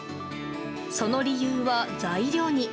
その理由は材料に。